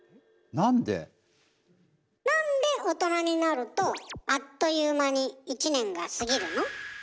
なんで大人になるとあっという間に１年が過ぎるの？